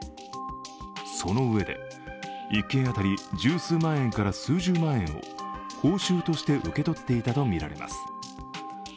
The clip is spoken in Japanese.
そのうえで１件当たり十数万円から数十万円を報酬として受け取っていたとみられます。